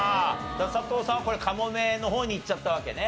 佐藤さんはこれカモメの方にいっちゃったわけね。